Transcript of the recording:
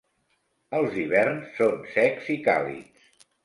Els hiverns són secs i càlids.